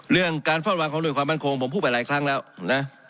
เรื่องการเฝ้าระวังของหน่วยความมั่นคงผมพูดไปหลายครั้งแล้วนะ